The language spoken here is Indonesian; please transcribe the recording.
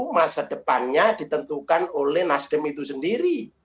masa depannya ditentukan oleh nasdem itu sendiri